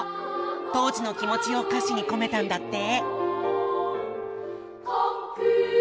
当時の気持ちを歌詞に込めたんだって！